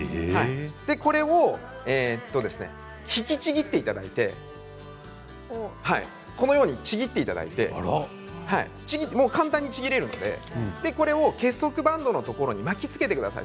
これを引きちぎっていただいて簡単にちぎれるのでこれを結束バンドのところに巻きつけてください。